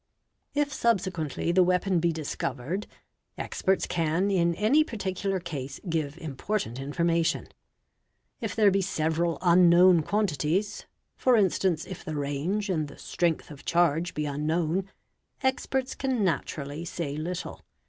If subsequently the weapon be discovered, experts can in any parti — cular case give important information. If there be several unknown } quantities, for instance if the range and the strength of charge be un known, experts can naturally say little.